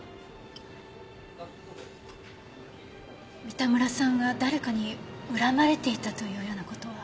三田村さんが誰かに恨まれていたというような事は？